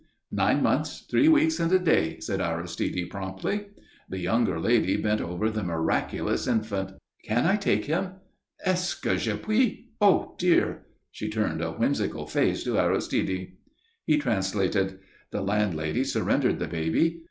"Nine months, three weeks and a day," said Aristide, promptly. The younger lady bent over the miraculous infant. "Can I take him? Est ce que je puis oh, dear!" She turned a whimsical face to Aristide. He translated. The landlady surrendered the babe.